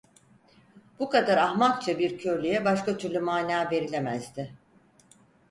Bu kadar ahmakça bir körlüğe başka türlü mana verilemezdi.